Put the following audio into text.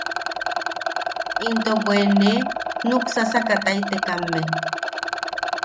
Into bwe ne nuksasakataitekamme.